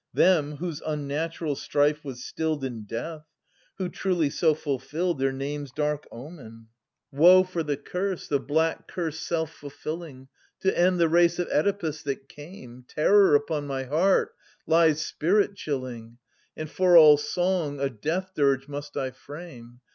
Them, whose unnatural strife was stilled In death, who truly so fulfilled 830 Their names' dark omen ?« 38 ^SCHYLUS. (Sir. i.J Woe for the Curse, the black curse self fulfilling, To end the race of Oedipus that came ! Terror upon my heart lies spirit chilling, And for all song a death dirge must I frame.